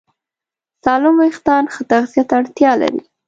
سالم وېښتيان ښه تغذیه ته اړتیا لري.